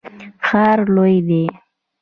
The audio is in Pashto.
ښار لوی دی.